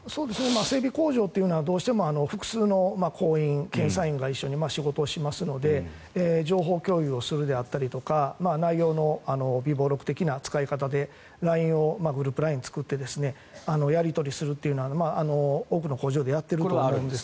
整備工場というのはどうしても複数の工員検査員が一緒に仕事をしますので情報共有をするであったりとか内容の備忘録的な使い方でグループＬＩＮＥを作ってやり取りするというのは多くの工場でやっていると思うんです。